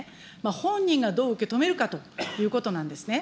本人がどう受け止めるかということなんですね。